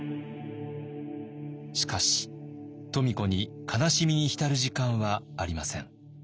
しかし富子に悲しみに浸る時間はありません。